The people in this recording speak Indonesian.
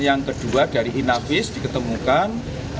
yang kedua dari inavis diketemukan